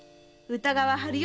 歌川春芳